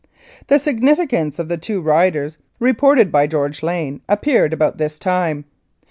The significance of the two riders reported by George Lane appeared about this time.